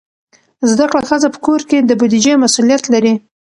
زده کړه ښځه په کور کې د بودیجې مسئولیت لري.